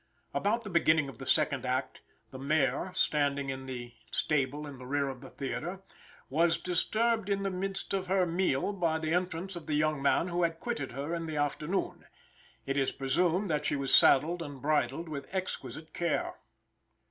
About the beginning of the second act, the mare, standing in the stable in the rear of the theater, was disturbed in the midst of her meal by the entrance of the young man who had quitted her in the afternoon. It is presumed that she was saddled and bridled with exquisite care.